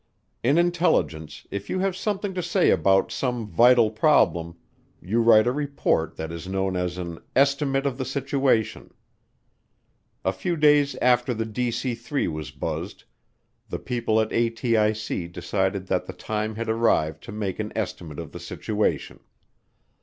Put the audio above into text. In intelligence, if you have something to say about some vital problem you write a report that is known as an "Estimate of the Situation." A few days after the DC 3 was buzzed, the people at ATIC decided that the time had arrived to make an Estimate of the Situation.